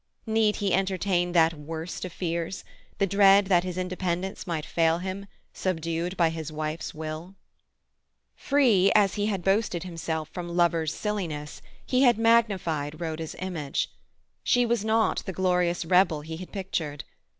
Need he entertain that worst of fears—the dread that his independence might fail him, subdued by his wife's will? Free as he boasted himself from lover's silliness, he had magnified Rhoda's image. She was not the glorious rebel he had pictured.